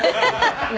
何？